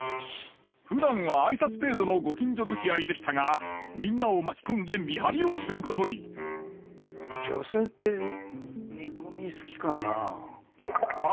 ふだんは挨拶程度のご近所づきあいでしたがみんなを巻き込んで見張りをすることに女性って煮込み好きかなあ。